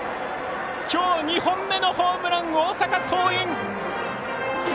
きょう２本目のホームラン大阪桐蔭！